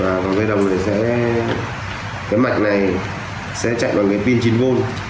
và vòng dây đồng này sẽ cái mạch này sẽ chạy bằng cái pin chín v